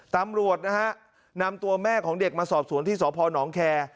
ตำรวจนะฮะนำตัวแม่ของเด็กมาสอบสวนที่สพนแคร์